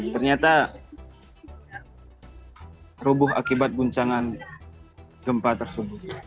ternyata roboh akibat guncangan gempa tersebut